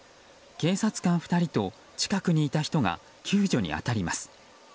警察官２人と近くにいた人が救助に当たります。